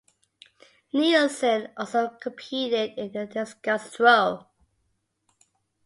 Nielsen also competed in the discus throw.